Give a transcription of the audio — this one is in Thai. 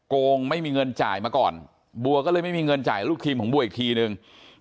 โกงไม่มีเงินจ่ายมาก่อนบัวก็เลยไม่มีเงินจ่ายลูกทีมของบัวอีกทีนึง